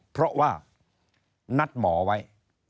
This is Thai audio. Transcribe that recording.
เพราะว่านัดหมอไว้